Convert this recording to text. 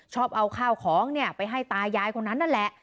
ชอบเอาข้าวของ้านี่ไปให้ตายายนะ